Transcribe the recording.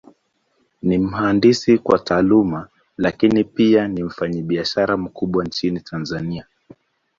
Ni mhandisi kwa Taaluma, Lakini pia ni mfanyabiashara mkubwa Nchini Tanzania.